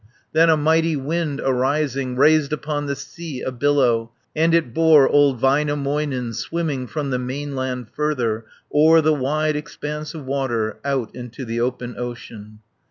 Then a mighty wind arising Raised upon the sea a billow, 190 And it bore old Väinämöinen, Swimming from the mainland further, O'er the wide expanse of water, Out into the open ocean.